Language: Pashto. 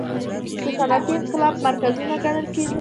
د صنعتي انقلاب مرکزونه ګڼل کېدل.